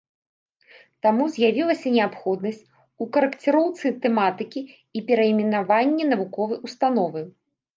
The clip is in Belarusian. Таму з'явілася неабходнасць у карэкціроўцы тэматыкі і перайменаванні навуковай установы.